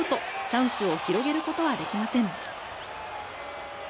チャンスを広げることはできません。